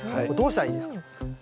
これどうしたらいいんですか？